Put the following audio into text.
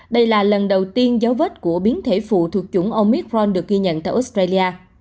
đây là lần đầu tiên dấu vết của biến thể phụ thuộc chủng omithron được ghi nhận tại australia